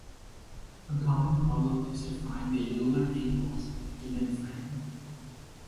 A common problem is to find the Euler angles of a given frame.